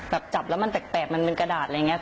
แบบจับแล้วมันแปลกแปลกมันเป็นกระดาษอะไรอย่างเงี้ย